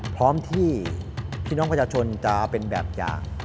พร้อมที่พี่น้องประชาชนจะเป็นแบบอย่าง